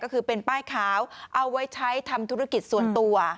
ก็คือเป็นป้ายขาวเอาไว้ใช้ทำธุรกิจส่วนตัว